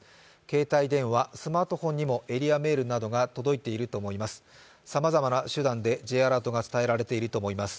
携帯電話、スマートフォンにもエリアメールなどが届いていると思います。